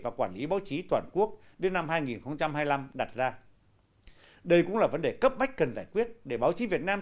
và quản lý báo chí toàn quốc đến năm hai nghìn hai mươi năm đặt ra đây cũng là vấn đề cấp vách cần giải quyết để báo chí việt nam